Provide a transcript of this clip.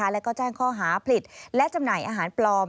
แล้วก็แจ้งข้อหาผลิตและจำหน่ายอาหารปลอม